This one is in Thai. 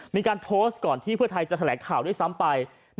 มีการโพสต์ก่อนที่เพื่อไทยจะแถลงข่าวด้วยซ้ำไป